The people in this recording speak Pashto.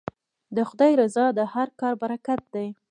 د خدای رضا د هر کار برکت دی.